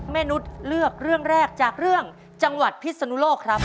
นุษย์เลือกเรื่องแรกจากเรื่องจังหวัดพิศนุโลกครับ